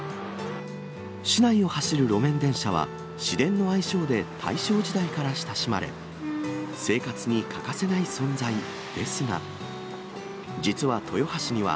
市内を走る路面電車は、市電の愛称で大正時代から親しまれ、生活に欠かせない存在ですが、実は豊橋には、